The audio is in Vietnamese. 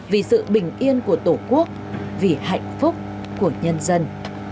vì sự bình yên của tổ quốc vì hạnh phúc của nhân dân